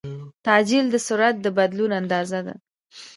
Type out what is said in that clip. تعجیل د سرعت د بدلون اندازه ده.